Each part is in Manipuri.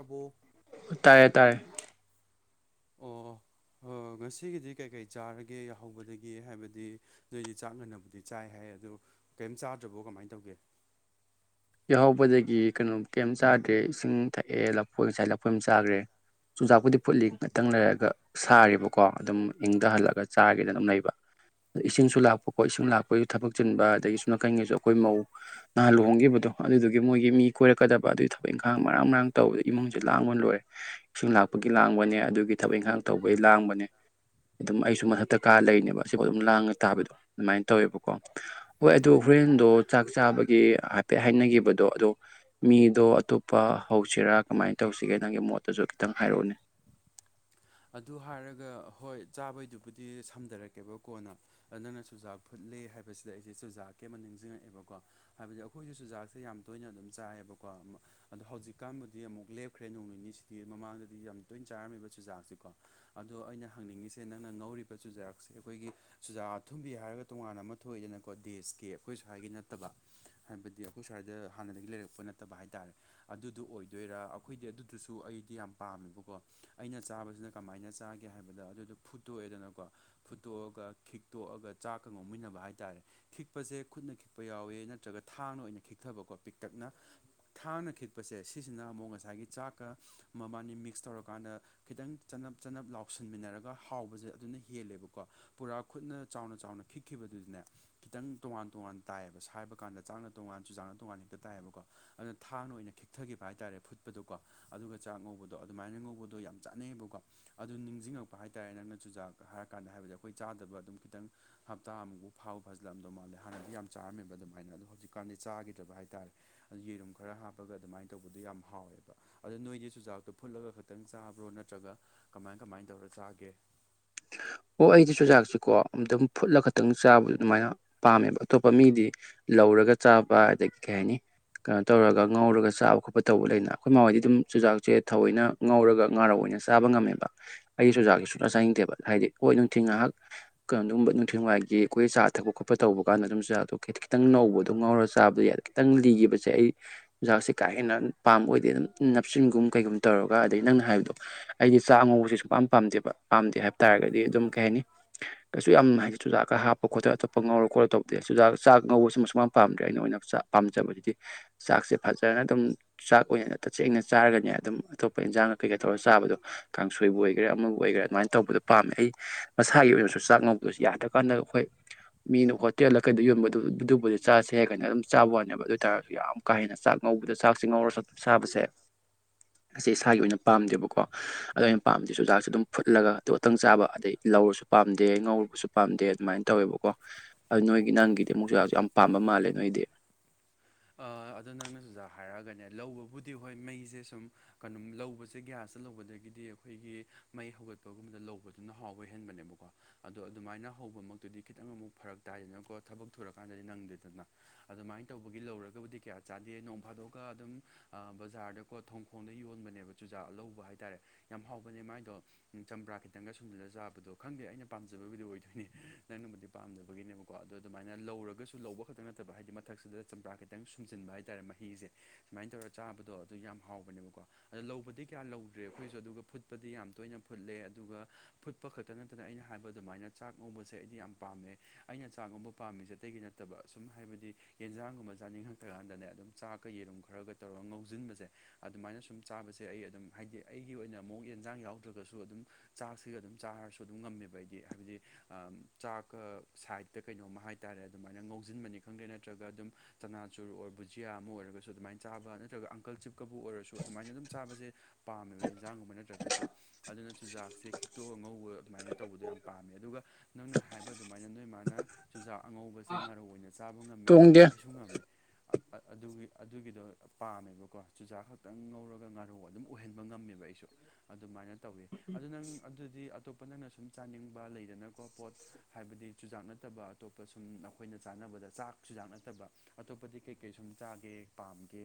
ꯑꯕꯣ ꯇꯥꯔꯦ ꯇꯥꯔꯦ ꯑꯣ ꯑꯣ ꯉꯁꯤꯒꯤꯗꯤ ꯀꯩꯀꯩ ꯆꯥꯔꯒꯦ ꯌꯥꯍꯧꯕꯒꯦ ꯍꯥꯏꯕꯗꯤ ꯑꯗꯨꯏꯗꯤ ꯆꯥꯛ ꯉꯟꯅꯕꯨꯗꯤ ꯆꯥꯏ ꯍꯥꯏ ꯑꯗꯨꯗ ꯀꯔꯤꯝ ꯆꯥꯗ꯭ꯔꯕꯣ ꯀꯃꯥꯏꯅ ꯇꯧꯒꯦ ꯌꯥꯍꯧꯕꯗꯒꯤ ꯀꯩꯅꯣꯝ ꯀꯩꯝ ꯆꯥꯐꯝ ꯏꯁꯤꯡ ꯊꯛꯑꯦ ꯂꯐꯣꯏ ꯉꯁꯥꯏ ꯂꯐꯣꯏ ꯑꯃ ꯆꯥꯈ꯭ꯔꯦ ꯆꯨꯖꯥꯛꯄꯨꯗꯤ ꯐꯨꯠꯂꯤ ꯉꯥꯛꯇꯪ ꯂꯩꯔꯒ ꯁꯥꯔꯤꯕꯀꯣ ꯑꯗꯨꯝ ꯏꯪꯊ ꯍꯜꯂꯒ ꯆꯥꯒꯦꯅ ꯑꯗꯨꯝ ꯂꯩꯕ ꯏꯁꯤꯡꯁꯨ ꯂꯥꯛꯄꯀꯣ ꯏꯁꯤꯡ ꯂꯥꯛꯄꯒꯤꯁ ꯊꯕꯛ ꯆꯤꯟꯕ ꯑꯗꯒꯤ ꯁꯣꯝ ꯅꯥꯀꯟꯒꯤꯁꯨ ꯑꯩꯈꯣꯏ ꯃꯧ ꯅꯍꯥꯟ ꯂꯨꯍꯣꯡꯈꯤꯕꯗꯣ ꯑꯗꯨꯗꯨꯒꯤ ꯃꯣꯏꯒꯤ ꯃꯤ ꯀꯣꯏꯔꯛꯀꯗꯕ ꯑꯗꯨꯒꯤ ꯊꯕꯛ ꯏꯪꯈꯥꯡ ꯃꯔꯥꯡ ꯃꯔꯥꯡ ꯇꯧꯕꯗ ꯏꯃꯨꯡꯁꯦ ꯂꯥꯡꯕ ꯂꯣꯏꯔꯦ ꯏꯁꯤꯡ ꯂꯥꯛꯄꯒꯤ ꯂꯥꯡꯕꯅꯦ ꯑꯗꯨꯒꯤ ꯊꯕꯛ ꯏꯪꯈꯥꯡ ꯇꯧꯕꯒꯤ ꯂꯥꯡꯕꯅꯦ ꯑꯗꯨꯝ ꯑꯩꯁꯨ ꯃꯊꯛꯇꯀꯥꯔ ꯂꯩꯔꯤꯅꯦꯕ ꯑꯁꯤꯕꯨ ꯑꯗꯨꯝ ꯂꯥꯡꯉ ꯇꯥꯕꯗꯣ ꯑꯗꯨꯃꯥꯏꯅ ꯇꯧꯋꯦꯕꯀꯣ ꯍꯣꯏ ꯑꯗꯨ ꯍꯣꯔꯦꯟꯗꯣ ꯆꯥꯛ ꯆꯥꯕꯒꯤ ꯍꯥꯏꯐꯦꯠ ꯍꯥꯏꯅꯈꯤꯕꯗꯣ ꯑꯗꯣ ꯃꯤꯗꯣ ꯑꯇꯣꯞꯄ ꯍꯧꯁꯤꯔꯥ ꯀꯃꯥꯏꯅ ꯇꯧꯁꯤꯒꯦ ꯅꯪꯒꯤ ꯃꯣꯠꯇꯁꯨ ꯈꯤꯇꯪ ꯍꯥꯏꯔꯛꯎꯅꯦ ꯑꯗꯨ ꯍꯥꯏꯔꯒ ꯍꯣꯏ ꯆꯥꯕꯩꯗꯨꯕꯨꯗꯤ ꯁꯝꯊꯔꯛꯀꯦꯕ ꯀꯣꯟꯅ ꯅꯪꯅ ꯆꯨꯖꯥꯛ ꯐꯨꯠꯂꯦ ꯍꯥꯏꯕꯁꯤꯗ ꯑꯩꯁꯦ ꯆꯨꯖꯥꯛꯀꯤ ꯑꯃ ꯅꯤꯡꯁꯤꯡꯉꯛꯑꯦꯕꯀꯣ ꯍꯥꯏꯕꯗꯤ ꯑꯩꯈꯣꯏꯒꯤ ꯆꯨꯖꯥꯛꯁꯦ ꯌꯥꯝ ꯇꯣꯏꯅ ꯑꯗꯨꯝ ꯆꯥꯏꯌꯦꯕꯀꯣ ꯑꯗꯣ ꯍꯧꯖꯤꯛꯀꯥꯟꯕꯨꯗꯤ ꯑꯃꯨꯛ ꯂꯦꯞꯈ꯭ꯔꯦ ꯅꯣꯡ ꯅꯤꯅꯤꯁꯤꯗꯤ ꯃꯃꯥꯡꯗꯗꯤ ꯌꯥꯝ ꯇꯣꯏꯅ ꯆꯥꯔꯝꯃꯤꯕ ꯆꯨꯖꯥꯛꯁꯤ ꯀꯣ ꯑꯗꯣ ꯑꯩꯅ ꯍꯪꯅꯤꯡꯉꯤꯁꯦ ꯅꯪꯅ ꯉꯧꯔꯤꯕ ꯆꯨꯖꯥꯛꯁꯦ ꯑꯩꯈꯣꯏꯒꯤ ꯆꯨꯖꯥꯛ ꯑꯊꯨꯝꯕꯤ ꯍꯥꯏꯔꯒ ꯇꯣꯉꯥꯟꯅ ꯑꯃ ꯊꯣꯛꯏꯗꯅꯀꯣ ꯗꯦꯁꯀꯤ ꯑꯩꯈꯣꯏ ꯁ꯭ꯋꯥꯏꯒꯤ ꯅꯠꯇꯕ ꯍꯥꯏꯕꯗꯤ ꯑꯩꯈꯣꯏ ꯁ꯭ꯋꯥꯏꯗ ꯍꯥꯟꯅꯗꯒꯤ ꯂꯩꯔꯛꯄ ꯅꯠꯇꯕ ꯍꯥꯏꯇꯥꯔꯦ ꯑꯗꯨꯗꯣ ꯑꯣꯏꯗꯣꯏꯔꯥ ꯑꯩꯈꯣꯏꯗꯤ ꯑꯗꯨꯗꯨꯁꯨ ꯑꯩꯗꯤ ꯌꯥꯝ ꯄꯥꯝꯃꯦꯕꯀꯣ ꯑꯩꯅ ꯆꯥꯕꯁꯤꯅ ꯀꯃꯥꯏꯅ ꯆꯥꯒꯦ ꯍꯥꯏꯕꯗꯣ ꯑꯗꯨꯗꯣ ꯐꯨꯠꯇꯣꯛꯑꯦꯗꯅꯀꯣ ꯐꯨꯠꯇꯣꯛꯑꯒ ꯈꯤꯛꯇꯣꯛꯑꯒ ꯆꯥꯛꯀ ꯉꯧꯃꯤꯟꯅꯕ ꯍꯥꯏ ꯇꯔꯦ ꯈꯤꯛꯄꯁꯦ ꯈꯨꯠꯅ ꯈꯤꯛꯄ ꯌꯥꯎꯋꯦ ꯅꯠꯇ꯭ꯔꯒ ꯊꯥꯡꯅ ꯑꯣꯏꯅ ꯈꯤꯛꯊꯕꯀꯣ ꯄꯤꯛꯇꯛꯅ ꯊꯥꯡꯅ ꯈꯤꯛꯄꯁꯦ ꯁꯤꯁꯤꯅ ꯑꯃꯨꯛ ꯉꯁꯥꯏꯒꯤ ꯆꯥꯛꯀ ꯃꯕꯥꯅꯤ ꯃꯤꯛꯁ ꯇꯧꯔꯀꯥꯟꯗ ꯈꯤꯇꯪ ꯆꯅꯞ ꯆꯅꯞ ꯂꯥꯎꯁꯤꯟꯃꯤꯟꯅꯔꯒ ꯍꯥꯎꯕꯁꯦ ꯑꯗꯨꯅ ꯍꯦꯜꯂꯦꯕꯀꯣ ꯄꯨꯔꯥ ꯈꯨꯠꯅ ꯆꯥꯎꯅ ꯆꯥꯎꯅ ꯈꯤꯛꯈꯤꯕꯗꯨꯅꯦ ꯈꯤꯇꯪ ꯇꯣꯉꯥꯟ ꯇꯣꯉꯥꯟ ꯇꯥꯏꯌꯦꯕ ꯁꯥꯏꯕ ꯀꯥꯟꯗ ꯆꯥꯛꯅ ꯇꯣꯉꯥꯟ ꯆꯨꯖꯥꯛꯅ ꯇꯣꯉꯥꯟ ꯍꯦꯛꯇ ꯇꯥꯏꯌꯦꯕꯀꯣ ꯑꯗꯨꯅ ꯊꯥꯡꯅ ꯑꯣꯏꯅ ꯈꯤꯛꯊꯈꯤꯕ ꯍꯥꯏꯇꯥꯥꯔꯦ ꯐꯨꯠꯄꯗꯨꯀꯣ ꯑꯗꯨꯒ ꯆꯥꯛ ꯉꯧꯕꯗꯣ ꯑꯗꯨꯃꯥꯏꯅ ꯉꯧꯕꯗꯣ ꯌꯥꯝ ꯆꯥꯅꯩꯉꯦꯕꯀꯣ ꯑꯗꯨ ꯅꯤꯡꯁꯤꯡꯉꯛꯄ ꯍꯥꯏꯇꯥꯔꯦ ꯅꯪꯅ ꯆꯨꯖꯥꯛ ꯍꯥꯏꯔ ꯀꯥꯟꯗ ꯍꯥꯏꯕꯗꯤ ꯑꯩꯈꯣꯏ ꯆꯥꯗꯕ ꯑꯗꯨꯝ ꯈꯤꯇꯪ ꯍꯞꯇꯥ ꯑꯃꯨꯛꯐꯥꯎ ꯐꯥꯎꯕ ꯐꯖꯜꯂꯝꯗꯧ ꯃꯥꯜꯂꯦ ꯍꯥꯟꯅꯗꯤ ꯌꯥꯝ ꯆꯥꯔꯝꯃꯦꯕ ꯑꯗꯨꯃꯥꯏꯅ ꯑꯗꯣ ꯍꯧꯖꯤꯛꯀꯥꯟꯗꯤ ꯆꯥꯈꯤꯗ꯭ꯔꯕ ꯍꯥꯏꯇꯥꯥꯔꯦ ꯑꯗꯨ ꯌꯦꯔꯨꯝ ꯈꯔ ꯍꯥꯞꯄꯒ ꯑꯗꯨꯃꯥꯏꯅ ꯇꯧꯕꯗꯣ ꯌꯥꯝ ꯍꯥꯎ꯫ꯋꯦꯕ ꯑꯗꯨ ꯅꯣꯏꯗꯤ ꯆꯨꯖꯥꯛꯇꯣ ꯐꯨꯠꯂꯒ ꯈꯛꯇꯪ ꯆꯥꯕ꯭ꯔꯣ ꯅꯠꯇ꯭ꯔꯒ ꯀꯃꯥꯏ ꯀꯃꯥꯏꯅ ꯇꯧꯔ ꯆꯥꯒꯦ ꯑꯣ ꯑꯩꯗꯤ ꯆꯨꯖꯥꯛꯁꯤꯀꯣ ꯑꯝꯇꯕꯨ ꯐꯨꯠꯂ ꯈꯛꯇꯪ ꯆꯥꯕꯗ ꯑꯗꯨꯃꯥꯏꯅ ꯄꯥꯝꯃꯦꯕ ꯑꯇꯣꯞꯄ ꯃꯤꯗꯤ ꯂꯧꯔꯒ ꯆꯥꯕ ꯑꯗꯒꯤ ꯀꯩ ꯍꯥꯏꯅꯤ ꯀꯩꯅꯣ ꯇꯧꯔꯒ ꯉꯧꯔꯒ ꯆꯥꯕ ꯈꯣꯠꯄ ꯇꯧꯕ ꯂꯩꯅ ꯑꯩꯈꯣꯏ ꯃꯥ ꯍꯣꯏꯗꯤ ꯑꯗꯨꯝ ꯆꯨꯖꯥꯛꯁꯦ ꯊꯑꯣꯏꯅ ꯉꯧꯔꯒ ꯉꯥꯔꯧ ꯑꯣꯏꯅ ꯆꯥꯕ ꯉꯝꯃꯦꯕ ꯑꯩ ꯆꯨꯖꯥꯛꯁꯤ ꯁꯨꯛꯆꯥ ꯆꯥꯅꯤꯡꯗꯦꯕ ꯍꯥꯏꯗꯤ ꯍꯣꯏ ꯅꯨꯡꯊꯤꯟ ꯉꯥꯏꯍꯥꯛ ꯀꯩꯅꯣ ꯑꯗꯨꯝꯕ ꯅꯨꯡꯊꯤꯋꯥꯏꯒꯤ ꯑꯩꯈꯣꯏ ꯆꯥ ꯊꯛ ꯈꯣꯠꯄ ꯇꯧꯕ ꯀꯥꯟ ꯑꯗꯨ ꯆꯥꯗꯣ ꯈꯤꯇꯪ ꯅꯧꯕꯗꯣ ꯉꯧꯔꯒ ꯆꯥꯕꯣ ꯌꯥꯗ ꯈꯤꯇꯪ ꯂꯤꯈꯤꯕꯁꯦ ꯑꯩ ꯆꯨꯖꯥꯛꯁꯦ ꯀꯥ ꯍꯦꯟꯅ ꯄꯥꯝꯕ ꯑꯣꯏꯗꯦ ꯑꯗꯨꯝ ꯅꯞꯁꯤꯟꯒꯨꯝ ꯀꯩꯒꯨꯝ ꯇꯧꯔꯒ ꯑꯗꯩ ꯅꯪꯅ ꯍꯥꯏꯕꯗꯣ ꯑꯩꯗꯤ ꯆꯥꯛ ꯑꯉꯧꯕꯁꯦ ꯁꯨꯨꯡꯄꯥꯝ ꯄꯥꯝꯗꯦꯕ ꯄꯥꯝꯗꯦ ꯍꯥꯏꯕ ꯇꯥꯔꯒꯗꯤ ꯑꯗꯨꯝ ꯀꯩ ꯍꯥꯏꯅꯤ ꯀꯩꯁꯨ ꯌꯥꯝꯅ ꯍꯥꯏꯗꯤ ꯆꯨꯖꯥꯛꯀ ꯍꯥꯞꯄ ꯈꯣꯠꯇꯅ ꯑꯇꯣꯞꯄ ꯉꯧꯔꯣ ꯈꯣꯠꯣ ꯇꯧꯗꯦꯨꯖꯥꯛ ꯉꯧꯕꯁꯨ ꯃꯁꯨꯛ ꯌꯥꯝ ꯄꯥꯝꯗ꯭ꯔꯦ ꯑꯩꯅ ꯑꯣꯏꯅ ꯆꯥꯛ ꯄꯥꯝ꯫ꯖꯕꯕꯁꯤꯗꯤ ꯆꯥꯛꯁꯦ ꯐꯖꯅ ꯑꯗꯨꯝ ꯆꯥꯛ ꯑꯣꯏꯅ ꯇꯁꯦꯡꯅ ꯆꯥꯔꯒꯅꯦ ꯑꯗꯨꯝ ꯑꯇꯣꯞꯄ ꯏꯟꯖꯥꯡꯒ ꯀꯩꯀꯥ ꯇꯧꯔꯒ ꯆꯥꯕꯗꯣ ꯀꯥꯡꯁꯣꯏꯕꯨ ꯑꯣꯏꯒꯦꯔꯥ ꯑꯃꯕꯨ ꯑꯣꯏꯒꯦꯔꯥ ꯑꯗꯨꯃꯥꯏꯅ ꯇꯧꯕꯗ ꯄꯥꯝꯃꯦ ꯑꯩ ꯃꯁꯥꯒꯤ ꯑꯣꯏꯅꯁꯨ ꯆꯥꯛ ꯉꯧꯕꯗꯁꯨ ꯌꯥꯗ꯭ꯔꯀꯥꯟꯗ ꯑꯩꯈꯣꯏ ꯃꯤꯅ ꯍꯣꯇꯦꯜꯗ ꯀꯩꯗ ꯌꯣꯟꯕꯗ ꯑꯗꯨꯕꯨꯗꯤ ꯆꯥꯥꯁꯦ ꯍꯥꯏ ꯀꯥꯏꯅ ꯑꯗꯨꯝ ꯆꯥꯕ ꯋꯥꯅꯦꯕ ꯑꯗꯨ ꯑꯣꯏꯇꯥꯥꯔꯒꯁꯨ ꯌꯥꯝ ꯀꯥ ꯍꯦꯟꯅ ꯆꯥꯛ ꯉꯧꯕꯗ ꯆꯥꯛꯁꯤꯦ ꯉꯧꯔ ꯆ ꯁꯥꯕꯁꯦ ꯑ ꯑꯁꯤ ꯏꯁꯥꯒꯤ ꯑꯣꯏꯅ ꯄꯥꯝꯗꯦꯕꯀꯣ ꯑꯗꯨꯗ ꯑꯣꯏꯅ ꯄꯥꯝꯗꯦ ꯆꯨꯖꯥꯛꯁ ꯑꯗꯨꯝ ꯐꯨꯠꯂꯒ ꯑꯗꯨꯣ ꯑꯇꯪ ꯆꯥꯕ ꯑꯗꯩ ꯂꯧꯔꯁꯨ ꯄꯥꯝꯗꯦ ꯉꯧꯔꯨꯕꯁꯨ ꯄꯥꯝꯗꯦ ꯑꯗꯨꯃꯥꯏꯅ ꯇꯧꯋꯦꯕꯀꯣ ꯑꯗꯨ ꯅꯣꯏꯒꯤ ꯅꯪꯒꯤꯗꯤ ꯑꯃꯨꯛ ꯆꯖꯥꯛꯁꯨ ꯌꯥꯝꯅ ꯄꯥꯝꯕ ꯃꯥꯜꯂꯦ ꯅꯣꯏꯗꯤ ꯑꯗꯨꯗꯣ ꯅꯪꯅ ꯁꯗ ꯍꯥꯏꯔꯛꯑꯒꯅꯦ ꯂꯧꯕꯕꯨꯗꯤ ꯍꯣꯏ ꯃꯩꯁꯦ ꯁꯨꯝ ꯀꯩꯅꯣꯝ ꯂꯧꯕꯁꯦ ꯒ꯭ꯌꯥꯁꯇ ꯂꯧꯕꯗꯒꯤꯗꯤ ꯑꯩꯈꯣꯏꯒꯤ ꯃꯩ ꯍꯧꯒꯠꯄꯒꯨꯝꯕꯗ ꯂꯧꯕꯗꯨꯅ ꯍꯥꯎꯕ ꯍꯦꯟꯕꯅꯦꯕꯀꯣ ꯑꯗꯣ ꯑꯗꯨꯃꯥꯏꯅ ꯍꯧꯕꯃꯛꯇꯨꯗꯤ ꯈꯤꯇꯪ ꯑꯃꯨꯛ ꯐꯔꯛ ꯇꯥꯏꯗꯅꯀꯣ ꯊꯕꯛ ꯊꯨꯔꯀꯥꯟꯗꯗꯤ ꯅꯪꯗꯦꯗꯅ ꯑꯗꯨꯃꯥꯏꯅ ꯇꯧꯕ ꯒꯤ ꯂꯧꯔꯒꯕꯨꯗꯤ ꯀꯌꯥ ꯆꯥꯗꯦ ꯅꯣꯡ ꯐꯥꯗꯣꯛꯑꯒ ꯑꯗꯨꯝ ꯕꯖꯥꯔꯗꯀꯣ ꯊꯣꯡꯈꯣꯡꯗ ꯌꯣꯟꯕꯅꯦꯕ ꯆꯨꯖꯥꯛ ꯂꯧꯕ ꯍꯥꯏꯇꯥꯔꯦ ꯌꯥꯝ ꯍꯥꯎꯕꯅꯦ ꯃꯥꯏꯗꯣ ꯆꯝꯄ꯭ꯔꯥ ꯈꯤꯇꯪꯒ ꯁꯨꯝꯖꯂ ꯆꯥꯕꯗꯣ ꯈꯪꯗꯦ ꯑꯩꯅ ꯄꯥꯝꯖꯕꯕꯨꯗꯤ ꯑꯣꯏꯗꯣꯏꯅꯦ ꯅꯪꯅꯕꯨ ꯄꯥꯝꯗꯕꯒꯤꯅꯦꯕꯀꯣ ꯑꯗꯣ ꯑꯗꯨꯃꯥꯏꯅ ꯂꯧꯔꯒꯁꯨ ꯂꯧꯕ ꯈꯛꯇꯪ ꯅꯠꯇꯕ ꯍꯥꯏꯗꯤ ꯃꯊꯛꯁꯤꯗ ꯆꯝꯄ꯭ꯔꯥ ꯈꯤꯇꯪ ꯁꯨꯝꯖꯤꯟꯕ ꯍꯥꯏꯇꯥꯔꯦ ꯃꯍꯤꯁꯦ ꯁꯨꯃꯥꯏꯅ ꯇꯧꯔꯒ ꯆꯥꯕꯗꯣ ꯑꯗꯨ ꯌꯥꯝ ꯍꯥꯎꯕꯅꯦꯕꯀꯣ ꯑ ꯂꯧꯕꯗꯤ ꯀꯌꯥ ꯂꯧꯗ꯭ꯔꯦ ꯑꯩꯈꯣꯏꯁꯨ ꯑꯗꯨꯒ ꯐꯨꯠꯄꯗꯤ ꯌꯥꯝ ꯇꯣꯏꯅ ꯐꯨꯠꯂꯦ ꯑꯗꯨꯒ ꯐꯨꯠꯄ ꯈꯛꯇ ꯅꯠꯇꯅ ꯑꯩꯅ ꯍꯥꯏꯕ ꯑꯗꯨꯃꯥꯏꯅ ꯆꯥꯛ ꯉꯣꯝꯕꯁꯦ ꯑꯩꯗꯤ ꯌꯥꯝ ꯄꯥꯝꯃꯦ ꯑꯩꯅ ꯆꯥꯛ ꯉꯕ ꯄꯥꯝꯃꯤꯁꯦ ꯑꯇꯩꯒꯤ ꯅ ꯐꯠꯇꯕ ꯑꯁꯨꯝ ꯍꯥꯏꯕꯗꯤ ꯌꯦꯟꯁꯥꯡ ꯒꯨꯝꯕ ꯆꯥꯅꯤꯡꯉꯛꯇ꯭ꯔ ꯀꯥꯟꯗꯅꯦ ꯑꯗꯨꯝ ꯆꯥꯛꯀ ꯌꯦꯔꯨꯝ ꯈꯔꯒ ꯇꯧꯔꯒ ꯉꯧꯁꯤꯟꯕꯁꯦ ꯑꯗꯨꯃꯥꯏꯅ ꯁꯨꯝ ꯆꯥꯕꯁꯦ ꯑꯩ ꯑꯗꯨꯝ ꯍꯥꯏꯗꯤ ꯑꯩꯒꯤ ꯑꯣꯏꯅ ꯑꯃꯨꯛ ꯌꯦꯟꯁꯥꯡ ꯌꯥꯎꯗ꯭ꯔꯒꯁꯨ ꯑꯗꯨꯝ ꯆꯥꯛꯁꯤꯒ ꯑꯗꯨꯝ ꯆꯥꯔꯁꯨ ꯑꯗꯨꯝ ꯉꯝꯃꯦꯕ ꯑꯩꯗꯤ ꯍꯥꯏꯕꯗꯤ ꯆꯥꯛꯀ ꯁꯥꯏꯗꯠꯇ ꯀꯩꯅꯣꯝ ꯍꯥꯏꯇꯥꯔꯦ ꯑꯗꯨꯃꯥꯏꯅ ꯉꯧꯁꯤꯟꯕꯅꯤ ꯈꯪꯗꯦ ꯅꯠꯇ꯭ꯔꯒ ꯑꯗꯨꯝ ꯆꯅꯥ ꯆꯨꯔ ꯑꯣꯏꯔ ꯕꯨꯖꯤꯌꯥ ꯑꯃ ꯑꯣꯏꯔꯒꯁꯨ ꯑꯗꯨꯃꯥꯏꯅ ꯆꯥꯕ ꯅꯠꯇ꯭ꯔꯒ ꯀꯜꯆꯤꯞꯀꯕꯨ ꯑꯣꯏꯔꯁꯨ ꯑꯗꯨꯃꯥꯏꯅ ꯑꯗꯨꯝ ꯆꯥꯕꯁꯦ ꯄꯥꯝꯃꯦꯕ ꯌꯦꯟꯖꯥꯡꯒꯨꯝꯕ ꯅꯠꯇ꯭ꯔꯒꯁꯨ ꯑꯗꯨꯅ ꯆꯨꯖꯥꯛꯁꯦ ꯈꯤꯛꯇꯣꯛ ꯑ ꯉꯧꯕ ꯑꯗꯨꯃꯥꯏꯅ ꯇꯧꯕꯗꯣ ꯌꯥꯝ ꯄꯥꯝꯃꯦ ꯑꯗꯨꯒ ꯅꯪꯅ ꯍꯥꯏꯕ ꯑꯗꯨꯃꯥꯏꯅ ꯅꯣꯏ ꯃꯥꯅ ꯆꯨꯖꯥꯛ ꯑꯉꯧꯕꯁꯦ ꯉꯥꯔꯧ ꯑꯣꯏꯅ ꯆꯥꯕ ꯉꯝꯃꯦ ꯍꯥꯏꯕꯗꯣ ꯇꯣꯡꯗꯦ ꯑꯩ ꯏꯨꯡꯉꯝꯅꯤ ꯑꯗꯨꯒꯤ ꯑꯗꯨꯒꯤꯗꯣ ꯄꯥꯝꯃꯦꯕꯀꯣ ꯆꯨꯖꯥꯛ ꯈꯛꯇꯪ ꯉꯧꯔꯒ ꯉꯥꯔꯨ ꯑꯗꯨꯝ ꯑꯣꯏꯍꯟꯕ ꯉꯝꯃꯦꯕ ꯑꯩꯁꯨ ꯑꯗꯨꯃꯥꯏꯅ ꯇꯧꯋꯤ ꯑꯗꯨ ꯅꯪ ꯑꯗꯨꯗꯤ ꯑꯇꯣꯞꯄ ꯅꯪꯅ ꯁꯨꯝ ꯆꯥꯅꯤꯡꯕ ꯂꯩꯗꯅꯀꯣ ꯄꯣꯠ ꯍꯥꯏꯕꯗꯤ ꯆꯨꯖꯥꯛ ꯅꯠꯇꯕ ꯑꯇꯣꯞꯄ ꯁꯨꯝ ꯑꯩꯈꯣꯏꯅ ꯆꯥꯅꯕꯗ ꯆꯥꯛ ꯆꯨꯖꯥꯛ ꯅꯠꯇꯕ ꯑꯇꯣꯞꯄꯗꯤ ꯀꯩ ꯀꯩ ꯁꯨꯝ ꯆꯥꯒꯦ ꯄꯥꯝꯒꯦ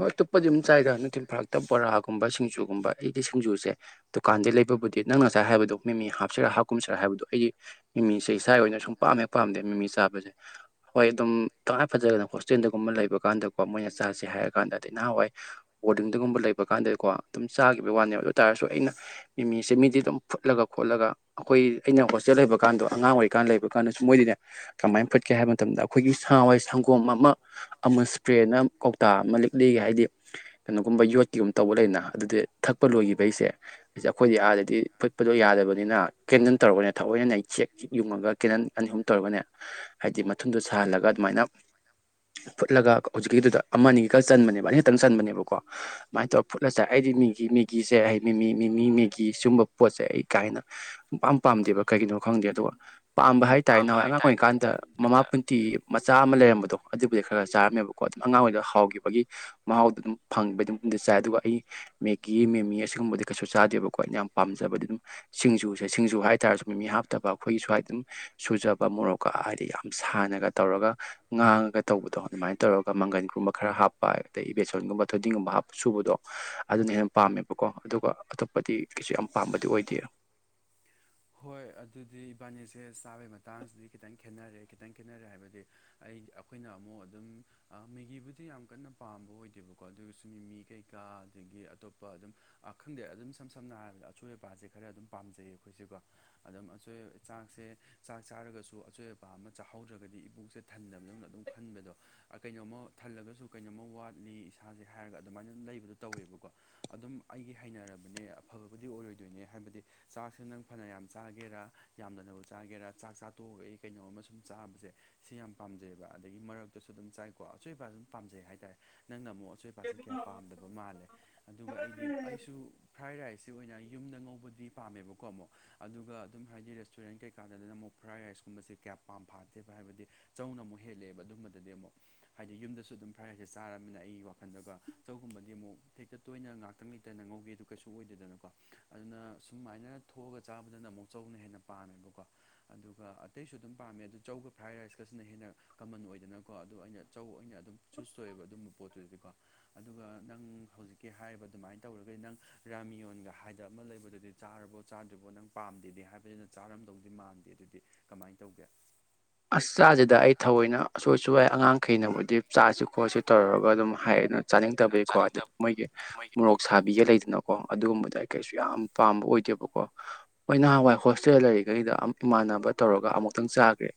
ꯍꯣꯏ ꯑꯇꯣꯞꯄꯗꯤ ꯑꯗꯨꯝ ꯆꯥꯏꯗ ꯅꯊꯤꯟꯝ ꯐꯥꯔꯛꯇ ꯕꯣꯔꯥꯒꯨꯝꯕ ꯁꯤꯡꯖꯨꯒꯨꯝꯕ ꯑꯩꯒꯤ ꯁꯤꯡꯖꯨꯁꯦ ꯗꯨꯀꯥꯟꯗ ꯂꯩꯕꯕꯨꯗꯤ ꯅꯪ ꯉꯁꯥꯏ ꯍꯥꯏꯕꯗꯣ ꯃꯤꯃꯤ ꯍꯥꯞꯁꯤꯔꯥ ꯍꯥꯞꯀꯨꯝꯁꯤꯔꯥ ꯍꯥꯏꯕꯗꯣ ꯑꯩꯗꯤ ꯃꯤꯃꯤꯁꯦ ꯏꯁꯥꯒꯤ ꯑꯣꯏꯅ ꯁꯨꯝ ꯄꯥꯝꯃꯦ ꯄꯥꯝꯗꯦ ꯃꯤꯃꯤ ꯆꯥꯕꯁꯦ ꯍꯣꯏ ꯑꯗꯨꯝ ꯇꯉꯥꯏ ꯐꯖꯒꯗ ꯍꯣꯁꯇꯦꯜꯗꯒꯨꯝꯕ ꯂꯩꯕ ꯀꯥꯟꯗꯀꯣ ꯃꯣꯏꯅ ꯆꯥꯁꯦ ꯍꯥꯏꯔ ꯀꯥꯟꯗꯗꯤ ꯅꯍꯥꯟꯋꯥꯏ ꯕꯣꯔꯗꯤꯡꯗꯨꯒꯨꯝꯕ ꯂꯩꯕ ꯀꯥꯟꯗꯗꯤꯀꯣ ꯑꯗꯨꯝ ꯆꯥꯒꯤꯈꯤꯕꯒꯤ ꯋꯥꯅꯦ ꯑꯗꯨ ꯑꯣꯏ ꯇꯥꯔꯁꯨ ꯑꯩꯅ ꯃꯤꯁꯦ ꯃꯤꯗꯤ ꯑꯗꯨꯝ ꯐꯨꯠꯂꯒ ꯈꯣꯠꯂꯒ ꯑꯩꯈꯣꯏ ꯑꯩꯅ ꯍꯣꯁꯇꯦꯜ ꯂꯩꯕ ꯀꯥꯟꯗꯣ ꯑꯉꯥꯡ ꯑꯣꯏꯔꯤꯀꯥꯟꯗ ꯂꯩꯕ ꯀꯥꯟꯗꯁꯨ ꯃꯣꯏꯗꯤꯅꯦ ꯀꯃꯥꯏꯅ ꯐꯠꯀꯦ ꯍꯥꯏꯕ ꯃꯇꯝꯗ ꯑꯩꯈꯣꯏꯒꯤ ꯁꯥꯋꯥꯏ ꯁꯪꯒꯣꯝ ꯑꯃ ꯑꯃ ꯏꯁꯄ꯭ꯔꯦꯅ ꯀꯧꯇꯥ ꯑꯃ ꯂꯩꯒꯦ ꯍꯥꯏꯗꯤ ꯀꯩꯅꯣꯒꯨꯝꯕ ꯌꯣꯠꯀꯤꯒꯨꯝꯕ ꯇꯧꯕ ꯂꯩꯅ ꯑꯗꯨꯗꯤ ꯊꯛꯄ ꯂꯣꯏꯈꯤꯕꯩꯁꯦ ꯑꯩꯈꯣꯏꯗꯤ ꯑꯥꯗꯗꯤ ꯐꯨꯠꯄꯗꯣ ꯌꯥꯗꯕꯅꯤꯅ ꯀꯦꯟꯗꯜ ꯇꯧꯔꯔꯕꯅꯤꯅ ꯊꯑꯣꯏꯅ ꯑꯩ ꯆꯦꯛꯏ ꯌꯨꯡꯉꯒ ꯀꯦꯅꯜ ꯑꯅꯤ ꯑꯍꯨꯝ ꯇꯧꯔꯒꯅꯦ ꯍꯥꯏꯗꯤ ꯃꯊꯨꯝꯗꯣ ꯁꯥꯍꯜꯂꯒ ꯑꯗꯨꯃꯥꯏꯅ ꯐꯨꯠꯂꯒ ꯍꯧꯖꯤꯛꯀꯤꯗꯨꯗ ꯑꯃ ꯑꯅꯤ ꯈꯛ ꯆꯟꯕꯅꯦꯕ ꯑꯅꯤꯈꯛꯇꯪ ꯆꯟꯕꯅꯦꯕꯀꯣ ꯑꯗꯨꯨꯃꯥꯏꯅ ꯇꯧꯔ ꯐꯨꯠꯂꯁꯦ ꯑꯩꯗꯤ ꯃꯤꯦꯒꯤ ꯃꯦꯒꯤꯁꯦ ꯑꯩ ꯃꯤꯃꯤ ꯃꯤꯃꯤ ꯃꯦꯒꯤ ꯁꯨꯝꯕ ꯄꯣꯠꯁꯦ ꯑꯩ ꯀꯥꯏꯅ ꯄꯥꯝ ꯄꯥꯝꯗꯦꯕ ꯀꯩꯒꯤꯅꯣ ꯈꯪꯗꯦ ꯑꯗꯨꯒ ꯄꯥꯝꯕ ꯍꯥꯏꯇꯥꯔꯦ ꯅꯍꯥꯟꯋꯥꯏ ꯑꯉꯥꯡ ꯑꯣꯏꯔꯤꯀꯥꯟꯗ ꯀꯥꯟꯗ ꯃꯃꯥꯄꯨꯟꯇ ꯃꯆꯥ ꯑꯃ ꯂꯩꯔꯝꯕꯗꯣ ꯑꯗꯨꯕꯨꯗꯤ ꯈꯔ ꯈꯔ ꯆꯥꯔꯝꯃꯦꯕꯀꯣ ꯑꯗꯨꯝ ꯑꯉꯥꯡꯉꯩꯗ ꯍꯥꯎꯈꯤꯕ ꯒꯤ ꯃꯍꯥꯎꯗꯣ ꯑꯗꯨꯝ ꯐꯪꯕ ꯑꯗꯨꯝ ꯆꯥꯏ ꯑꯗꯨꯒ ꯑꯩ ꯃꯦꯒꯤ ꯃꯦꯃꯤ ꯑꯁꯤꯒꯨꯝꯕꯗꯤ ꯀꯩꯁꯨ ꯆꯥꯗꯦꯕꯀꯣ ꯑꯩꯅ ꯌꯥꯝ ꯄꯥꯝꯖꯕꯗꯤ ꯑꯗꯨꯝ ꯁꯤꯡꯖꯨꯁꯦ ꯁꯤꯡꯖꯨ ꯍꯥꯏꯇꯥꯔꯁꯨ ꯃꯤꯃꯤ ꯍꯥꯞꯇꯕ ꯑꯩꯈꯣꯏꯒꯤ ꯁ꯭ꯋꯥꯏꯗ ꯑꯗꯨꯝ ꯁꯨꯖꯕ ꯃꯣꯔꯣꯛꯀ ꯍꯥꯏꯗꯤ ꯌꯥꯝ ꯁꯥꯟꯅꯒ ꯇꯧꯔꯒ ꯉꯥꯡꯉꯒ ꯇꯧꯕꯗꯣ ꯑꯗꯨꯃꯥꯏꯅ ꯇꯧꯔꯒ ꯃꯪꯒꯟꯒꯨꯝꯕ ꯈꯔ ꯍꯥꯞꯄ ꯑꯗꯩ ꯕꯦꯁꯣꯟꯒꯨꯝꯕ ꯊꯣꯏꯗꯤꯡꯒꯨꯝꯕ ꯍꯥ ꯁꯨꯕꯗꯣ ꯑꯗꯨꯅ ꯍꯦꯟꯅ ꯄꯥꯝꯃꯦꯕꯀꯣ ꯑꯗꯨꯒ ꯑꯇꯣꯞꯄꯗꯤ ꯀꯁꯨ ꯌꯥꯝ ꯄꯥꯝꯕꯗꯤ ꯑꯣꯏꯗꯦ ꯍꯣꯏ ꯑꯗꯨꯗꯤ ꯏꯕꯥꯅꯤꯁꯦ ꯆꯥꯕꯒꯤ ꯃꯇꯥꯡꯁꯤꯗꯤ ꯈꯤꯇꯪ ꯈꯦꯠꯅꯔꯦ ꯈꯤꯇꯪ ꯈꯦꯠꯅꯔꯦ ꯍꯥꯏꯕꯗꯤ ꯑꯩ ꯑꯩꯈꯣꯏꯅ ꯑꯃꯨꯛ ꯑꯗꯨꯝ ꯃꯦꯒꯤꯕꯨꯗꯤ ꯌꯥꯝ ꯀꯟꯅ ꯄꯥꯝꯕ ꯑꯣꯏꯗꯦꯕꯀꯣ ꯑꯗꯨꯁꯨ ꯃꯤꯃꯤ ꯀꯩꯀꯥ ꯑꯗꯒꯤ ꯑꯇꯣꯞꯄ ꯑꯗꯨꯝ ꯈꯪꯗꯦ ꯑꯗꯨꯝ ꯁꯝ ꯁꯝꯅ ꯍꯥꯏꯔꯕꯗ ꯑꯁꯣꯏ ꯑꯕꯄꯥꯁꯦ ꯈꯔ ꯑꯗꯨꯝ ꯄꯥꯝꯖꯩꯌꯦ ꯑꯩꯈꯣꯏꯁꯦꯀꯣ ꯑꯗꯨꯝ ꯑꯆꯣꯏ ꯆꯥꯛꯁꯦ ꯆꯥꯛ ꯆꯥꯔꯒꯁꯨ ꯑꯆꯣꯏ ꯑꯄꯥ ꯑꯃ ꯆꯥꯍꯧꯗ꯭ꯔꯒꯗꯤ ꯏꯕꯣꯛꯁꯦ ꯊꯟꯗꯕꯗꯧꯅ ꯑꯗꯨꯝ ꯈꯟꯕꯗꯣ ꯀꯩꯅꯣꯝꯃ ꯊꯜꯂꯒꯁꯨ ꯀꯩꯅꯣꯝꯃ ꯋꯥꯠꯂꯤ ꯏꯁꯥꯁꯦ ꯍꯥꯏꯔꯒ ꯑꯗꯨꯃꯥꯏꯅ ꯑꯗꯨꯝ ꯂꯩꯕꯗꯣ ꯇꯧꯋꯦꯕꯀꯣ ꯑꯗꯨꯝ ꯑꯩꯒꯤ ꯍꯩꯅꯔꯕꯅꯦ ꯑꯐꯕꯕꯨꯗꯤ ꯑꯣꯏꯔꯣꯏꯗꯣꯏꯅꯦ ꯍꯥꯏꯕꯗꯤ ꯆꯥꯛꯁꯤꯦ ꯅꯪ ꯐꯅ ꯌꯥꯝ ꯆꯥꯒꯦꯔꯥ ꯌꯥꯝꯗꯅꯕꯨ ꯆꯥꯒꯦꯔꯥ ꯆꯥꯛ ꯆꯥꯊꯣꯛꯑꯒ ꯑꯩ ꯀꯩꯅꯣ ꯑꯃ ꯁꯨꯝ ꯆꯥꯕꯁꯦ ꯁꯤ ꯌꯥꯝ ꯄꯥꯝꯖꯩꯕ ꯑꯗꯒꯤ ꯃꯔꯛꯇꯁꯨ ꯑꯗꯨꯝ ꯆꯥꯏꯀꯣ ꯑꯆꯣꯏꯕ ꯑꯗꯨꯝ ꯄꯥꯝꯖꯩ ꯍꯥꯏꯇꯥꯔꯦ ꯅꯪꯅ ꯑꯃꯨꯛ ꯑꯆ ꯀꯀꯥꯁꯦ ꯀꯌꯥ ꯄꯥꯝꯗꯕ ꯃꯥꯜꯂꯦ ꯑꯗꯨꯒ ꯑꯩꯗꯤ ꯑꯩꯁꯨ ꯐ꯭ꯔꯥꯏ ꯔꯥꯏꯁꯁꯤ ꯑꯣꯏꯅ ꯌꯨꯝꯗ ꯉꯧꯕꯗꯤ ꯄꯥꯝꯃꯦꯕꯀꯣ ꯑꯃꯨꯛ ꯑꯗꯨꯒ ꯑꯗꯨꯝ ꯍꯥꯏꯗꯤ ꯔꯦꯁꯇꯨꯔꯦꯟ ꯀꯩꯀꯥꯗꯗꯅ ꯑꯃꯨꯛ ꯐ꯭ꯔꯥꯏ ꯔꯥꯏꯁ ꯀꯨꯝꯕꯁꯦ ꯀꯌꯥ ꯄꯥꯝ ꯐꯥꯗꯦꯕ ꯍꯥꯏꯕꯗꯤ ꯆꯧꯅ ꯑꯃꯨꯛ ꯍꯦꯜꯂꯛꯑꯦꯕ ꯑꯗꯨꯝꯕꯗꯗꯤ ꯑꯃꯨꯛ ꯍꯥꯏꯗꯤ ꯌꯨꯝꯗꯁꯨ ꯑꯗꯨꯝ ꯐ꯭ꯔꯥꯏ ꯔꯥꯏꯁꯁꯦ ꯆꯥꯔꯃꯤꯅ ꯑꯩꯒꯤ ꯋꯥꯈꯜꯗꯒ ꯆꯧꯒꯨꯝꯕꯗꯤ ꯑꯃꯨꯛ ꯍꯦꯛꯇ ꯇꯣꯏꯅ ꯉꯥꯛꯇꯪ ꯂꯩꯇꯅ ꯉꯧꯒꯦ ꯑꯗꯨ ꯀꯩꯁꯨ ꯑꯣꯏꯗꯦꯗꯅꯀꯣ ꯑꯗꯨꯅ ꯁꯨꯃꯥꯏꯅ ꯊꯣꯛꯑꯒ ꯆꯥꯕꯗꯅ ꯑꯃꯨꯛ ꯆꯧꯅ ꯍꯦꯟꯅ ꯄꯥꯝꯃꯦꯕꯀꯣ ꯑꯗꯨꯒ ꯑꯇꯩꯁꯨ ꯑꯗꯨꯝ ꯄꯥꯝꯃꯦ ꯑꯗꯨ ꯆꯧꯒ ꯐ꯭ꯔꯥꯏ ꯔꯥꯏꯁꯀꯁꯤꯅ ꯍꯦꯟꯅ ꯀꯃꯟ ꯑꯣꯏꯗꯅꯀꯣ ꯑꯗ ꯑꯩꯅ ꯆꯧ ꯑ ꯑꯣꯏꯅ ꯑꯗꯨꯝ ꯆꯨꯁ ꯇꯧꯋꯦꯕ ꯑꯗꯨꯝꯕ ꯄꯣꯠꯇꯨꯗꯤꯀꯣ ꯑꯗꯨꯒ ꯅꯪ ꯍꯧꯖꯤꯛꯀꯤ ꯍꯥꯏꯔꯤꯕ ꯑꯗꯨꯃꯥꯏꯅ ꯇꯧꯔꯒꯗꯤ ꯅꯪ ꯔꯥꯃꯤꯌꯣꯟꯒ ꯍꯥꯏꯗ ꯑꯃ ꯂꯩꯕꯗꯨꯗꯤ ꯆꯥꯔꯕ ꯆꯥꯗ꯭ꯔꯤꯕꯣ ꯅꯪ ꯄꯥꯝꯗꯦꯗꯤ ꯍꯥꯏꯕꯗꯨꯅ ꯆꯥꯔꯝꯗꯧꯗꯤ ꯃꯥꯟꯗꯦ ꯑꯗꯨꯗꯤ ꯀꯃꯥꯏꯅ ꯇꯧꯒꯦ ꯑꯁ ꯆꯥꯁꯤꯗ ꯑꯩ ꯊꯑꯣꯏꯅ ꯑꯁꯨꯣꯏ ꯑꯁꯨꯣꯏꯩ ꯑꯉꯥꯡ ꯀꯩꯅꯕꯨꯗꯤ ꯆꯥꯁꯨ ꯈꯣꯠꯁꯨ ꯇꯧꯔꯒ ꯑꯗꯨꯝ ꯍꯥꯏ ꯑꯗꯨ ꯆꯥꯅꯤꯡꯗꯕꯒꯤꯀꯣ ꯑꯗꯩ ꯆꯥꯅꯤꯡꯗꯕ ꯃꯣꯏꯒꯤ ꯃꯣꯏ ꯃꯣꯔꯣꯛ ꯁꯥꯕꯤꯒ ꯂꯩꯗꯅꯀꯣ ꯑꯗꯨꯒꯨꯝꯕꯗ ꯑꯩ ꯀꯩꯁꯨ ꯌꯥꯝ ꯄꯥꯝꯕ ꯑꯣꯏꯗꯦꯕꯀꯣ ꯍꯣꯏ ꯅꯍꯥꯟꯋꯥꯏ ꯍꯣꯁꯇꯦꯜ ꯂꯩꯔꯤꯈꯩꯗ ꯏꯃꯥꯟꯅꯕ ꯇꯧꯔꯒ ꯑꯃꯨꯛꯇꯪ ꯆꯥꯒ꯭ꯔꯦ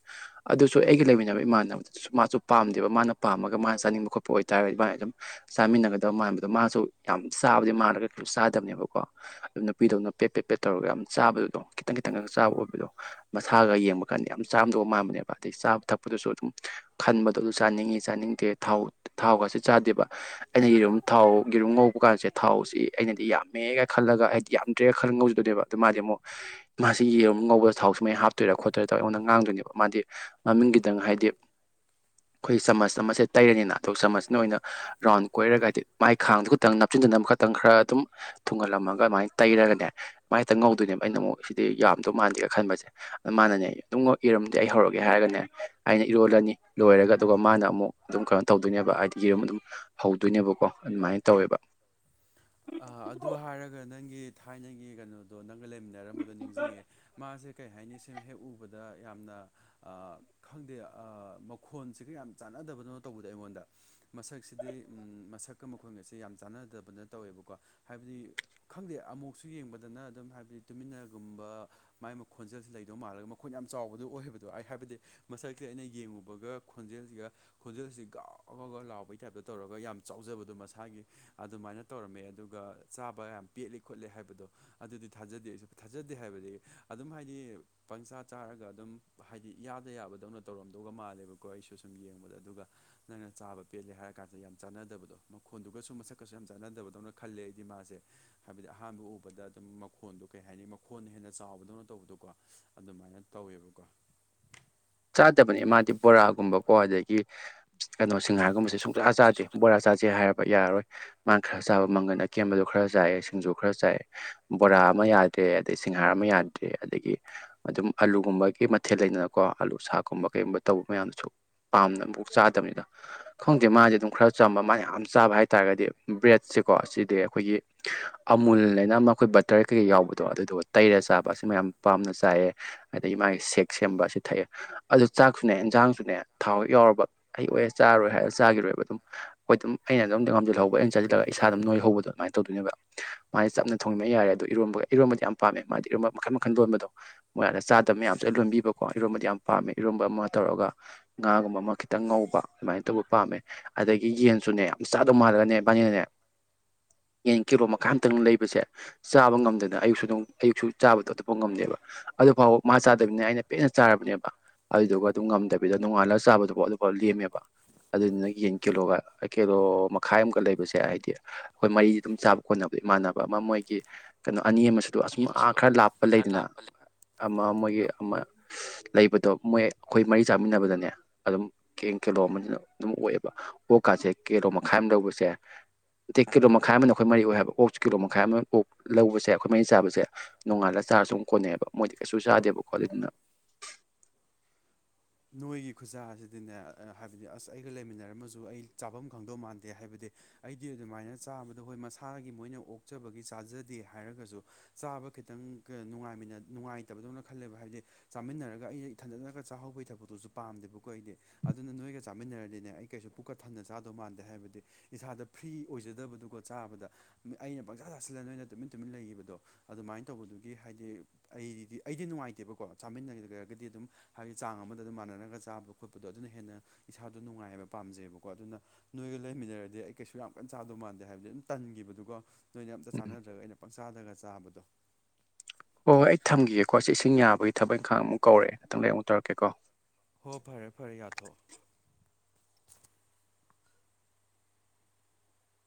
ꯑꯗꯨꯁꯨ ꯑꯩꯒꯤ ꯂꯩꯃꯤꯟꯅꯕ ꯏꯃꯥꯟꯅꯕꯗꯁꯨ ꯃꯥꯁꯨ ꯄꯥꯝꯗꯦꯕ ꯃꯥꯅ ꯄꯥꯝꯃꯒ ꯃꯥꯅ ꯆꯥꯅꯤꯡꯕ ꯈꯣꯠꯄ ꯑꯣꯏꯇꯥꯔꯒꯗꯤ ꯏꯃꯅ ꯑꯗꯨꯝ ꯆꯥꯃꯤꯟꯅꯒꯗꯕ ꯃꯥꯟꯕꯗꯣ ꯃꯥꯁꯨ ꯌꯥꯝ ꯆꯥꯕꯗꯤ ꯃꯥꯟꯅꯒ ꯀꯩꯁꯨ ꯆꯥꯗꯕꯅꯦꯕꯀꯣ ꯑꯗꯨ ꯅꯨꯄꯤꯗꯧꯅ ꯄꯦꯠ ꯄꯦꯠ ꯄꯦꯠ ꯇꯧꯔꯒ ꯌꯥꯝ ꯆꯥꯕꯗꯨꯗꯣ ꯈꯤꯇꯪ ꯈꯤꯇꯪꯒ ꯆꯥꯕ ꯑꯣꯏꯕꯗꯣ ꯃꯁꯥꯒ ꯌꯦꯡꯕ ꯀꯥꯟꯗ ꯌꯥꯝ ꯆꯥꯝꯗꯧꯕ ꯃꯥꯟꯕꯅꯦꯕ ꯑꯗꯩ ꯆꯥꯕ ꯊꯛꯄꯗꯁꯨ ꯑꯗꯨꯝ ꯈꯟꯕꯗꯣ ꯑꯗꯨ ꯆꯥꯅꯤꯡꯉꯤ ꯆꯥꯅꯤꯡꯗꯦ ꯊꯥꯎ ꯊꯥꯎꯒꯁꯨ ꯆꯥꯗꯦꯕ ꯑꯩꯅ ꯌꯦꯔꯨꯝ ꯊꯥꯎ ꯌꯦꯔꯨꯝ ꯉꯧꯕ ꯀꯥꯟꯁꯦ ꯊꯥꯎꯁꯤ ꯑꯩꯅꯗꯤ ꯌꯥꯝꯃꯦꯒ ꯈꯜꯂꯒ ꯑꯩꯗꯤ ꯌꯥꯝꯗ꯭ꯔꯦꯒ ꯈꯟ ꯉꯧꯖꯗꯗꯅꯦꯕ ꯑꯗꯨ ꯃꯥꯗꯤ ꯑꯃꯨꯛ ꯃꯥꯁꯤ ꯌꯦꯔꯨ ꯉꯧꯕꯗ ꯊꯥꯎꯁꯤ ꯃꯩ ꯍꯥꯞꯣꯏꯥ ꯈꯣꯠꯇꯣꯏꯥ ꯇꯧꯏ ꯑꯩꯉꯣꯟꯗ ꯉꯥꯡꯗꯣꯏꯅꯤ ꯃꯥꯗꯤ ꯃꯃꯤꯡꯒꯤꯗꯪ ꯍꯥꯏꯗꯤ ꯑꯩꯈꯣꯏ ꯆꯃꯁ ꯆꯃꯁꯦ ꯇꯔꯅꯤꯅ ꯑꯊꯣꯞ ꯆꯃꯁꯁꯤꯅ ꯑꯣꯏꯅ ꯔꯥꯎꯟ ꯀꯣꯏꯔꯒ ꯍꯥꯏꯗꯤ ꯃꯥꯏ ꯈꯥꯡꯗꯨꯣ ꯈꯛꯇꯪ ꯅꯞꯁꯤꯤꯟꯗꯅꯕ ꯈꯛꯇꯪ ꯈꯔ ꯑꯗꯨꯝ ꯊꯨꯡꯒꯜꯂꯝꯃꯒ ꯑꯗꯨꯃꯥꯏꯅ ꯇꯩꯔꯒꯅꯦ ꯑꯗꯨꯃꯥꯏ ꯍꯦꯛꯇ ꯉꯧꯗꯣꯏꯅꯦꯕ ꯑꯩꯅ ꯑꯃꯨꯛ ꯁꯤꯗꯤ ꯌꯥꯝꯗꯧ ꯃꯥꯟꯗꯦꯒ ꯈꯟꯕꯁꯦ ꯃꯥꯅꯅꯦ ꯑꯗꯨꯝ ꯏꯔꯝꯗꯦ ꯑꯩ ꯍꯧꯔꯛꯒꯦ ꯍꯥꯏꯔꯒꯅꯦ ꯑꯩꯅ ꯏꯔꯣꯜꯂꯅꯤ ꯂꯣꯏꯔꯒ ꯑꯗꯨꯒ ꯃꯥꯅ ꯑꯃꯨꯛ ꯑꯗꯨꯝ ꯀꯩꯅꯣ ꯇꯧꯗꯣꯏꯅꯦꯕ ꯍꯥꯏꯗꯤ ꯌꯦꯔꯨꯝ ꯑꯗꯨꯝ ꯍꯧꯗꯣꯏꯅꯦꯕꯀꯣ ꯑꯗꯨꯃꯥꯏꯅ ꯇꯧꯋꯦꯕ ꯑꯗꯨ ꯍꯥꯏꯔꯒ ꯅꯪꯒꯤ ꯊꯥꯏꯅꯪꯒꯤ ꯀꯩꯅꯣꯗꯣ ꯅꯪꯒ ꯂꯩꯃꯤꯟꯅꯔꯝꯕꯗꯣ ꯅꯤꯡꯁꯤꯡꯉꯦ ꯃꯥꯁꯦ ꯀꯩ ꯍꯥꯏꯅꯤ ꯁꯤꯃ ꯍꯦꯛ ꯎꯕꯗ ꯌꯥꯝꯅ ꯈꯪꯗꯦ ꯃꯈꯣꯟꯁꯤꯒ ꯌꯥꯝ ꯆꯥꯟꯅꯗꯕꯅꯅꯣ ꯇꯧꯕꯗ ꯑꯩꯉꯣꯟꯗ ꯃꯁꯛꯁꯤꯗꯤ ꯃꯁꯛꯀ ꯃꯈꯣꯏꯒꯁꯦ ꯌꯥꯝ ꯆꯥꯟꯅꯗꯕꯅ ꯇꯧꯋꯦꯕꯀꯣ ꯍꯥꯏꯕꯗꯤ ꯈꯪꯗꯦ ꯑꯃꯨꯛꯁꯨ ꯌꯦꯡꯕꯗꯅ ꯑꯗꯨꯝ ꯍꯥꯏꯕꯗꯤ ꯇꯨꯃꯤꯟꯅꯒꯨꯝꯕ ꯃꯥꯏ ꯈꯣꯟꯖꯦꯜꯁꯤ ꯂꯩꯗꯧ ꯃꯥꯜꯂꯒ ꯃꯈꯣꯏꯅ ꯌꯥꯝ ꯆꯥꯎꯕꯗꯨ ꯑꯣꯏꯍꯕꯗꯣ ꯑꯩ ꯍꯥꯏꯕꯗꯤ ꯃꯁꯛꯁ ꯑꯩꯅ ꯌꯦꯡꯉꯨꯕꯒ ꯈꯣꯟꯖꯦꯜꯁꯤꯒ ꯈꯣꯟꯖꯦꯜꯁꯤ ꯒꯥꯎ ꯒꯒ ꯂꯥꯎꯕꯒꯤ ꯇꯥꯏꯞꯇ ꯇꯧꯔꯒ ꯌꯥꯝ ꯆꯥꯎꯖꯕꯗꯣ ꯃꯁꯥꯒꯤ ꯑꯗꯨꯃꯥꯏꯅ ꯇꯧꯔꯝꯃꯦ ꯑꯗꯨꯒ ꯆꯥꯕ ꯌꯥꯝ ꯄꯦꯠꯂꯤ ꯈꯣꯠꯂꯤ ꯍꯥꯏꯕꯗꯣ ꯑꯗꯨꯗꯤ ꯊꯥꯖꯗꯦ ꯑꯩ ꯊꯥꯖꯗꯦ ꯍꯥꯏꯕꯗꯤ ꯑꯗꯨꯝ ꯍꯥꯏꯗꯤ ꯄꯪꯆꯥꯥ ꯆꯥꯔꯒ ꯑꯗꯨꯝ ꯍꯥꯏꯗꯤ ꯌꯥꯗ ꯌꯥꯕꯗꯧꯅ ꯇꯧꯔꯝꯗꯧꯒ ꯃꯥꯜꯂꯦꯕꯀꯣ ꯑꯩꯁꯨ ꯁꯨꯝ ꯌꯦꯡꯕꯗ ꯑꯗꯨꯒ ꯅꯪꯅ ꯆꯥꯕ ꯄꯦꯜꯂꯦ ꯍꯥꯏꯔ ꯀꯥꯟꯗ ꯌꯥꯝ ꯆꯥꯅꯗꯕꯗꯣ ꯃꯈꯣꯟꯗꯨꯁꯨ ꯃꯁꯛꯀꯁꯨ ꯌꯥꯝ ꯆꯠꯅꯗꯕꯗꯧꯅ ꯈꯜꯂꯦ ꯑꯩꯗꯤ ꯃꯥꯁꯦ ꯍꯥꯏꯕꯗꯤ ꯑꯍꯥꯟꯕ ꯎꯕꯗ ꯑꯗꯨꯝ ꯃꯈꯣꯟꯗꯣ ꯀꯩ ꯍꯥꯏꯅꯤ ꯃꯈꯣꯟꯅ ꯍꯦꯟꯅ ꯆꯥꯎꯕꯗꯧꯅ ꯇꯧꯕꯗꯣꯀꯣ ꯑꯗꯨꯃꯥꯏꯅ ꯇꯧꯋꯦꯕꯀꯣ ꯆꯥꯗꯕꯅꯦ ꯃꯥꯗꯤ ꯕꯣꯔꯥꯒꯨꯝꯕꯀꯣ ꯑꯗꯒꯤ ꯀꯩꯅꯣ ꯁꯤꯡꯍꯥꯔꯒꯨꯝꯕꯁꯦ ꯁꯨꯝ ꯄꯨꯖꯆꯥꯥ ꯃꯁꯦ ꯆꯥꯗꯦ ꯁꯨꯡꯆꯥ ꯕꯣꯔꯥ ꯆꯥꯥꯁꯦ ꯍꯥꯏꯔꯕ ꯌꯥꯔꯣꯏ ꯃꯥꯅ ꯈꯔ ꯆꯥꯕ ꯃꯪꯒꯟ ꯑꯀꯦꯝꯕꯗꯣ ꯈꯔ ꯆꯥꯏ ꯁꯤꯡꯖꯨ ꯈꯔ ꯆꯥꯏꯑꯦ ꯕꯣꯔꯥ ꯑꯃ ꯌꯥꯗ꯭ꯔꯦ ꯑꯗꯩ ꯁꯤꯡꯍꯥꯔ ꯑꯃ ꯌꯥꯗ꯭ꯔꯦ ꯑꯗꯒꯤ ꯑꯗꯨꯝ ꯑꯂꯨꯒꯨꯝꯕꯒꯤ ꯃꯊꯦꯜ ꯂꯩꯗꯅꯀꯣ ꯑꯥꯜꯂꯨ ꯁꯥꯥꯛꯀꯨꯝꯕ ꯀꯩꯒꯨꯝꯕ ꯇꯧꯕ ꯃꯌꯥꯝꯗꯨꯁꯨ ꯄꯥꯝꯅ ꯑꯃꯨꯛ ꯆꯥꯗꯕꯅꯤꯗ ꯈꯪꯗꯦ ꯃꯥꯁꯦ ꯑꯗꯨꯝ ꯈꯔ ꯆꯝꯕ ꯃꯥꯅ ꯌꯥꯝ ꯆꯥꯕ ꯍꯥꯏꯇꯥꯥꯔꯒꯗꯤ ꯕ꯭ꯔꯦꯗꯁꯦꯀꯣ ꯑꯁꯤꯗꯤ ꯑꯩꯈꯣꯏꯒꯤ ꯑꯃꯨꯜ ꯍꯥꯏꯅ ꯃꯈꯈꯣꯏ ꯕꯇꯔ ꯀꯩꯀꯩ ꯌꯥꯎꯕꯗꯣ ꯑꯗꯨꯗꯨꯒ ꯇꯩꯔ ꯆꯥꯕ ꯑꯁꯤꯃ ꯌꯥꯝ ꯄꯥꯝꯅ ꯆꯥꯏꯑ ꯑꯗꯒꯤ ꯃꯥꯒꯤ ꯁꯦꯛ ꯁꯦꯝꯕ ꯑꯁꯤ ꯊꯛꯑꯦ ꯑꯗꯨ ꯆꯥꯛꯁꯨꯅꯦ ꯏꯟꯖꯥꯡꯁꯨꯅꯦ ꯊꯥꯎ ꯍꯦꯛ ꯌꯥꯎꯔꯕ ꯑꯩ ꯑꯣꯏꯦ ꯆꯥꯔꯣꯏ ꯍꯥꯏꯔꯒ ꯆꯥꯈꯤꯔꯣꯏꯕ ꯑꯗꯨꯝ ꯍꯣꯏ ꯑꯗꯨꯝ ꯑꯩꯅ ꯑꯗꯨꯝ ꯉꯝꯜꯍꯧꯕ ꯑꯩꯅ ꯆꯠꯁꯤꯜꯂꯒ ꯏꯁꯥ ꯑꯗꯨꯝ ꯅꯣꯏ ꯍꯧꯕꯗꯣ ꯑꯗꯨꯃꯥꯏ ꯇꯗꯣꯏꯅꯦꯕ ꯃꯥꯅ ꯆꯞꯅ ꯊꯣꯡꯅꯤꯡꯕ ꯌꯥꯔꯦ ꯑꯗꯣ ꯏꯔꯣꯝꯕꯒ ꯏꯔꯣꯝꯕꯗꯤ ꯌꯥꯝ ꯄꯥꯝꯃꯦ ꯃꯥꯗꯤ ꯏꯔꯣꯝꯕ ꯃꯈꯜ ꯃꯈꯜ ꯂꯣꯟꯕꯗꯣ ꯃꯣꯏꯗ ꯆꯥꯗꯕ ꯃꯌꯥꯝꯁꯨ ꯂꯣꯟꯕꯤꯕꯀꯣ ꯏꯔꯣꯕꯗꯤ ꯌꯥꯝ ꯄꯥꯝꯃꯦ ꯏꯔꯣꯕ ꯑꯃ ꯇꯧꯔꯒ ꯉꯥꯒꯨꯝꯕ ꯑꯃ ꯈꯤꯇꯪ ꯉꯧꯕ ꯑꯗꯨꯃꯥꯏꯅ ꯇꯧꯕ ꯄꯥꯝꯃꯦ ꯑꯗꯒꯤ ꯌꯦꯟꯁꯨꯅꯦ ꯌꯥꯝ ꯆꯥꯗꯧ ꯃꯥꯜꯂꯒꯅꯦ ꯕꯥꯅꯤꯅꯅꯦ ꯌꯦꯟ ꯀꯤꯂꯣ ꯃꯈꯥ ꯑꯃꯝꯇꯪ ꯂꯩꯕꯁꯦ ꯆꯥꯕ ꯉꯝꯗꯅ ꯑꯌꯨꯛꯁꯨ ꯑꯗꯨ ꯑꯌꯨꯛꯁꯨ ꯆꯥꯕꯗꯣ ꯑꯇꯣꯞꯄ ꯉꯝꯗꯦꯕ ꯑꯗꯨꯐꯥꯎꯕ ꯃꯥ ꯆꯥꯗꯕꯅꯤꯅ ꯑꯩꯅ ꯄꯦꯟꯅ ꯆꯥꯔꯕꯅꯦꯕ ꯑꯗꯨꯗꯨꯒ ꯑꯗꯨꯝ ꯉꯝꯗꯕꯤꯗ ꯅꯣꯡꯉꯥꯂꯒ ꯆꯥꯕꯗꯨꯐꯥꯎ ꯑꯗꯨꯐꯥꯎ ꯂꯦꯝꯃꯦꯕ ꯑꯗꯨꯗꯨꯅ ꯌꯦꯟ ꯀꯤꯂꯣꯒ ꯀꯤꯂꯣ ꯃꯈꯥꯏ ꯑꯃꯨꯛꯒ ꯂꯩꯕꯁꯦ ꯍꯥꯏꯗꯤ ꯑꯩꯈꯣꯏ ꯃꯔꯤꯗꯤ ꯑꯗꯨꯝ ꯆꯥꯕ ꯈꯣꯠꯅꯕꯗ ꯏꯃꯥꯟꯅꯕ ꯑꯃ ꯃꯣꯏꯒꯤ ꯀꯩꯅꯣ ꯑꯅꯤ ꯑꯃꯁꯨ ꯑꯗꯨ ꯑꯁꯨꯝ ꯑꯥ ꯌꯦꯡꯕꯁꯤꯗ ꯈꯔ ꯂꯥꯞꯄ ꯈꯔ ꯂꯩꯗꯅ ꯂꯥꯞꯄ ꯑꯃ ꯑꯃꯒꯤꯣꯏꯒꯤ ꯑꯃ ꯂꯩꯕ ꯑꯗꯣ ꯃꯣꯏ ꯑꯩꯈꯣꯏ ꯃꯔꯤ ꯆꯥꯃꯤꯟꯅꯕꯗꯅꯦ ꯑꯗꯨꯝ ꯀꯦꯡ ꯀꯦꯂꯣ ꯑꯃꯅ ꯑꯗꯨꯝ ꯑꯣꯏꯑꯦꯕ ꯑꯣꯀꯥꯥꯁꯦ ꯀꯦꯔꯣ ꯃꯈꯥꯏ ꯑꯃ ꯂꯧꯧꯕꯁꯦ ꯑ ꯀꯤꯂꯣ ꯃꯈꯥꯏ ꯑꯃꯅ ꯑꯩꯈꯣꯏ ꯃꯔꯤ ꯑꯣꯏ ꯍꯥꯏꯕ ꯑꯣꯛꯁꯦ ꯀꯤꯂꯣ ꯃꯈꯥꯏ ꯑꯃ ꯑꯣꯛ ꯂꯧꯕꯁꯦ ꯑꯩꯈꯣꯏ ꯃꯔꯤ ꯆꯥꯕꯁꯦ ꯅꯣꯡꯉꯥꯂ ꯆꯥꯔꯁꯨ ꯁꯨꯝ ꯀꯣꯟꯅꯩꯑꯕ ꯃꯣꯏꯗꯤ ꯀꯩꯁꯨ ꯆꯥꯗꯦꯕ ꯈꯣꯠ ꯑꯗꯨꯅ ꯅꯣꯏꯒꯤ ꯈꯨꯖꯥ ꯑꯁꯤꯗꯤꯅꯦ ꯍꯥꯏꯕꯗꯤ ꯑꯁ ꯑꯩꯒ ꯂꯩꯃꯤꯟꯅꯔꯝꯃꯁꯨ ꯑꯩ ꯆꯥꯐꯝ ꯈꯪꯗꯧ ꯃꯥꯟꯗꯦ ꯍꯥꯏꯕꯗꯤ ꯑꯩꯗꯤ ꯑꯗꯨꯃꯥꯏꯅ ꯆꯥꯕꯗ ꯍꯣꯏ ꯃꯁꯥꯒꯤ ꯃꯣꯏꯅ ꯑꯣꯛꯆꯕꯒꯤ ꯆꯥꯖꯗꯦ ꯍꯥꯏꯔꯒꯁꯨ ꯆꯥꯕ ꯈꯤꯇꯪꯅꯨꯡꯉ ꯅꯨꯡꯉꯥꯏꯇꯕꯗꯧꯅ ꯈꯜꯂꯦꯕ ꯍꯥꯏꯕꯗꯤ ꯆꯥꯃꯤꯟꯅꯔꯒ ꯑꯩ ꯊꯟꯖꯠꯅꯔꯒ ꯆꯥꯍꯧꯕꯩ ꯊꯕ ꯐꯣꯇꯣꯁꯨ ꯄꯥꯝꯗꯦꯕꯀꯣ ꯑꯩꯗꯤ ꯑꯗꯨꯅ ꯅꯣꯏꯒ ꯆꯥꯃꯤꯟꯅꯔꯗꯤꯅꯦ ꯑꯩ ꯀꯩꯁꯨ ꯄꯨꯛꯀꯠ ꯊꯝꯟꯅ ꯆꯥꯗꯧ ꯃꯥꯟꯗꯦ ꯍꯥꯏꯕꯗꯤ ꯏꯁꯥꯗ ꯐ꯭ꯔꯤ ꯑꯣꯏꯖꯗꯕꯗꯨꯒ ꯆꯥꯕꯗ ꯑꯩꯅ ꯄꯪꯁꯥ ꯆꯥꯁꯤꯜꯂ ꯅꯣꯏꯅ ꯇꯨꯃꯤꯟ ꯇꯨꯃꯤꯟ ꯂꯩꯈꯤꯕꯗꯣ ꯑꯗꯨꯃꯥꯏꯅ ꯇꯧꯕꯗꯨꯒꯤ ꯍꯥꯏꯗꯤ ꯑꯩꯗꯤ ꯑꯩꯗꯤ ꯅꯨꯡꯉꯥꯏꯇꯦꯕꯀꯣ ꯆꯥꯃꯤꯟꯅꯒꯦꯗꯔꯒꯗꯤ ꯑꯗꯨꯝ ꯍꯥꯏꯗꯤ ꯆꯥꯡ ꯑꯃꯗ ꯑꯗꯨꯝ ꯃꯥꯟꯅꯔꯒ ꯆꯥꯕ ꯈꯣꯠꯄꯗꯣ ꯑꯗꯨꯅ ꯍꯦꯟꯅ ꯏꯁꯥꯗꯣ ꯅꯨꯡꯉꯥꯏ ꯍꯥꯏꯕ ꯄꯥꯝꯖꯩꯑꯕꯀꯣ ꯑꯗꯨꯅ ꯅꯣꯏꯒ ꯂꯩꯃꯤꯟꯅꯔꯗꯤ ꯑꯩ ꯀꯩꯁꯨ ꯌꯥꯝ ꯀꯟ ꯆꯥꯗꯧ ꯃꯥꯟꯗꯦ ꯍꯥꯏꯕꯗꯤ ꯑꯗꯨꯝ ꯇꯟꯈꯤꯕꯗꯨꯒ ꯅꯣꯏꯅ ꯑꯝꯇ ꯎꯝ ꯆꯥꯟꯅꯗ꯭ꯔꯒ ꯑꯩꯅ ꯄꯪꯆꯥꯗꯒ ꯆꯥꯕꯗꯣ ꯍꯣꯏ ꯍ ꯑꯩ ꯊꯝꯒꯦꯀꯣ ꯁꯤ ꯏꯁꯤꯡ ꯌꯥꯕꯒꯤ ꯊꯕꯛ ꯏꯪꯥꯡꯨꯛ ꯀꯧꯔꯦꯊꯗ ꯑꯃꯨꯛꯧꯛꯀꯦꯀꯣ ꯍꯣ ꯐꯔꯦ ꯐꯔꯦ ꯌꯥꯊꯣꯛꯑꯣ